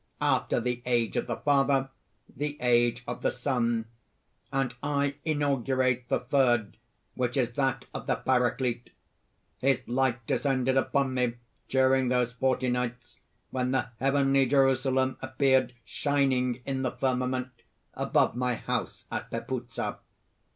After the age of the Father, the age of the Son; and I inaugurate the third, which is that of the Paraclete. His light descended upon me during those forty nights when the heavenly Jerusalem appeared shining in the firmament, above my house at Pepuzza.